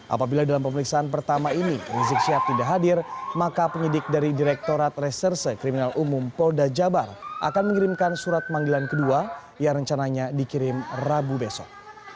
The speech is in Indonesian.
apabila dalam pemeriksaan pertama ini rizik syihab tidak hadir maka penyidik dari direktorat reserse kriminal umum polda jabar akan mengirimkan surat panggilan kedua yang rencananya dikirim rabu besok